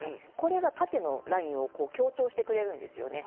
縦のラインを強調してくれるんです。